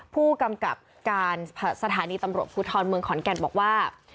ผู้กำกับการสถานีตำรวจภูทรเมืองขอนแก่นบอกว่า